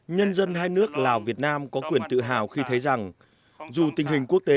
nhân dân hai nước lào việt nam có quyền tự hào khi thấy rằng dù tình hình quốc tế